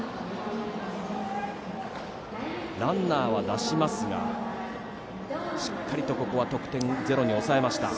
ランナーは出しますがしっかり得点をゼロに抑えました。